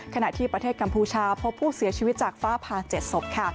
ขณะที่ประเทศกัมพูชาพบผู้เสียชีวิตจากฟ้าผ่า๗ศพ